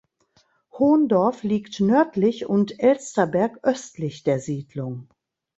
Hohndorf liegt nördlich und Elsterberg östlich der Siedlung.